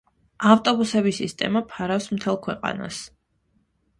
ავტობუსების სისტემა ფარავს მთელს ქვეყანას.